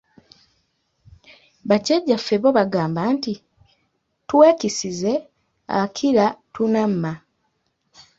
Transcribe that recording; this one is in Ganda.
Bajjajjaffe bo bagamba nti, "twekisize akira tunamma".